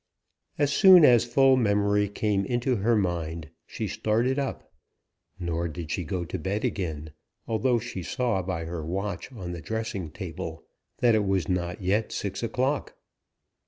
As soon as full memory came into her mind, she started up; nor did she go to bed again, although she saw by her watch on the dressing table that it was not yet six o'clock.